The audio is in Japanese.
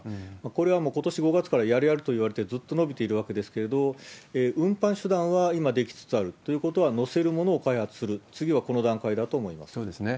これはもうことし５月からやれやれと言われてずっと延びているわけですけれども、運搬手段は今出来つつあるということは載せるものを開発する、次そうですね。